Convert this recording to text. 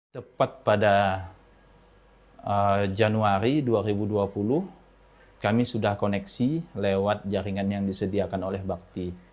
tepat pada januari dua ribu dua puluh kami sudah koneksi lewat jaringan yang disediakan oleh bakti